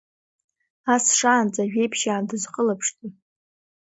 Ас шаанӡа ажәеиԥшьаа дызхылаԥшда?